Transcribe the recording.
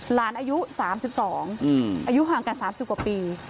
หลานอายุสามสิบสองอายุห่างกันสามสิบกว่าปี